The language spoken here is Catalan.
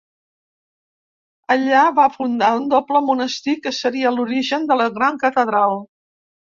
Allà va fundar un doble monestir, que seria l'origen de la gran catedral.